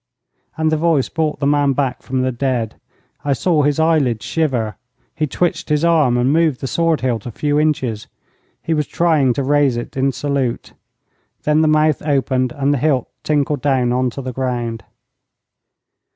And the voice brought the man back from the dead. I saw his eyelids shiver. He twitched his arm, and moved the sword hilt a few inches. He was trying to raise it in salute. Then the mouth opened, and the hilt tinkled down on to the ground.